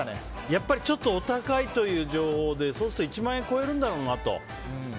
やっぱりちょっとお高いという情報でそうすると１万円超えるんだろうなと。